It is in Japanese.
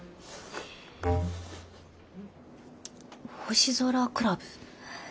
星空クラブ？